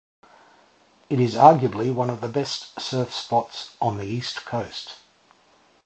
It is arguably one of the best surf spots on the east coast.